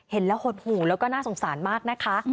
เห็นแล้วหดหูแล้วก็น่าสงสารมากนะคะ